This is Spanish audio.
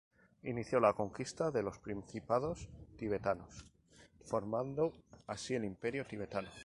Inició la conquista de los principados tibetanos, formando así el Imperio tibetano.